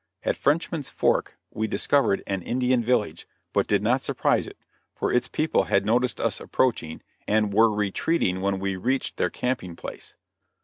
At Frenchman's Fork we discovered an Indian village, but did not surprise it, for its people had noticed us approaching, and were retreating when we reached their camping place.